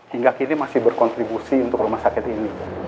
hingga kini masih berkontribusi untuk rumah sakit ini